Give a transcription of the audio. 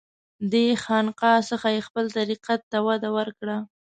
دې خانقاه څخه یې خپل طریقت ته وده ورکړه.